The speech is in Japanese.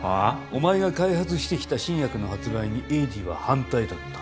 お前が開発してきた新薬の発売に栄治は反対だった。